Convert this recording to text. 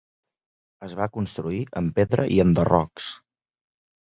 Es va construir amb pedra i enderrocs.